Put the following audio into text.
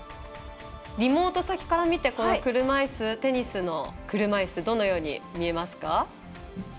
リモート先から見て車いすテニスの車いす、どのように見えますか？